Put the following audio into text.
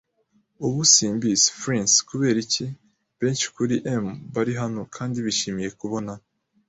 ubu? Simbizi. Flint's? Kuberiki, benshi kuri 'em bari hano, kandi bishimiye kubona